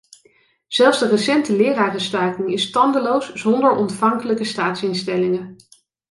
Zelfs de recente lerarenstaking is tandeloos zonder ontvankelijke staatsinstellingen.